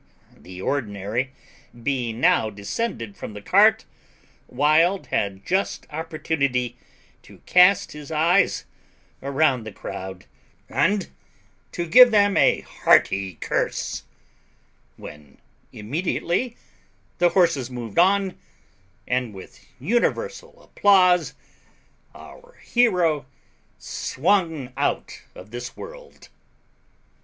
The ordinary being now descended from the cart, Wild had just opportunity to cast his eyes around the crowd, and to give them a hearty curse, when immediately the horses moved on, and with universal applause our hero swung out of this world.